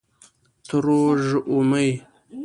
ترژومۍ